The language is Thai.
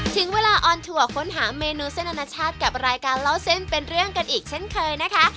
ถึงเวลาออนทัวร์ค้นหาเมนูเส้นอนาชาติกับรายการเล่าเส้นเป็นเรื่องกันอีกเช่นเคยนะคะ